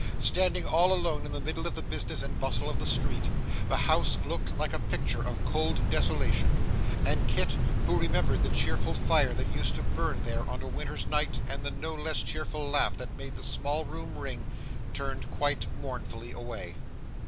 Standing all alone in the midst of the business and bustle of the street, the house looked a picture of cold desolation; and Kit, who remembered the cheerful fire that used to burn there on a winter's night and the no less cheerful laugh that made the small room ring, turned quite mournfully away.